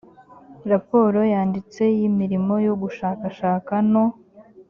raporo yanditse y imirimo yo gushakashaka no